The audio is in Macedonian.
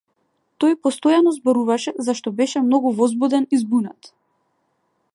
Тој постојано зборуваше зашто беше многу возбуден и збунет.